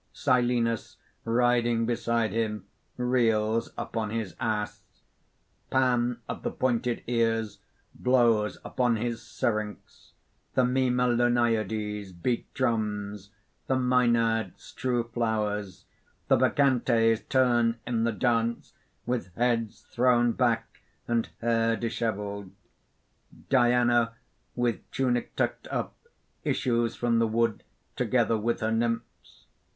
Silenus riding beside him reels upon his ass. Pan of the pointed ears, blows upon his syrinx; the Mimalonæides beat drums; the Mænads strew flowers; the Bacchantes turn in the dance with heads thrown back and hair dishevelled._ _Diana, with tunic tucked up, issues from the wood together with her nymphs.